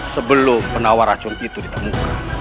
sebelum penawar racun itu ditemukan